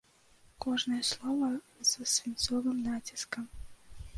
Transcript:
Кожнае слова з свінцовым націскам.